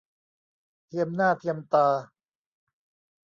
เทียมหน้าเทียมตา